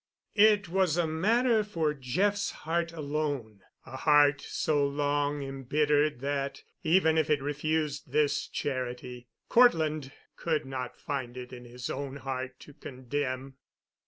It was a matter for Jeff's heart alone—a heart so long embittered that even if it refused this charity, Cortland could not find it in his own heart to condemn.